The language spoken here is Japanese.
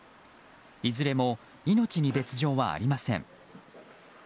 いずれも命に別条はありません。